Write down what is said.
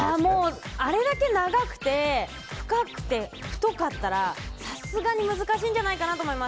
あれだけ長くて深くて太かったら、さすがに難しいんじゃないかなと思います。